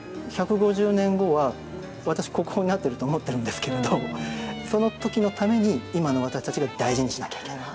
１５０年後は私国宝になってると思ってるんですけれどその時のために今の私たちが大事にしなきゃいけない。